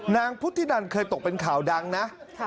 นางพุทธินันเคยตกเป็นข่าวดังนะ